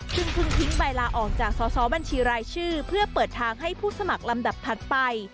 ซึ่งเพิ่งทิ้งใบลาออกจากสอสอบัญชีรายชื่อเพื่อเปิดทางให้ผู้สมัครลำดับถัดไป